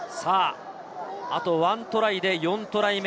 あと１トライで４トライ目。